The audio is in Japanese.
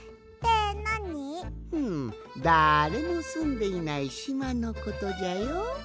ふむだれもすんでいないしまのことじゃよ。